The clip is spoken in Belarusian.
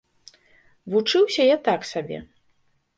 Вучыўся я так сабе.